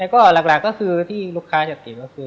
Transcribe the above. ปลาก็คือที่ลูกค้าจะติดก็คือ